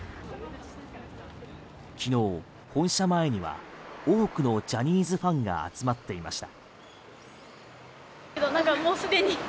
昨日、本社前には多くのジャニーズファンが集まっていました。